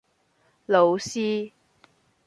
老師